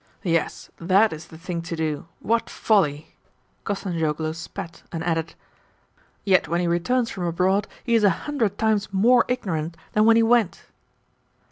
Yes, THAT is the thing to do. What folly!" Kostanzhoglo spat and added: "Yet when he returns from abroad he is a hundred times more ignorant than when he went."